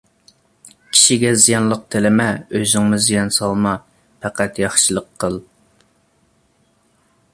كىشىگە زىيانلىق تىلىمە، ئۆزۈڭمۇ زىيان سالما، پەقەت ياخشىلىق قىل.